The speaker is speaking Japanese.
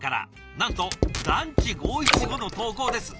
なんと「ランチ五七五」の投稿です！